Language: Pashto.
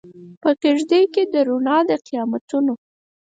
په کیږدۍ کې د روڼا د قیامتونو